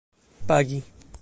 pagi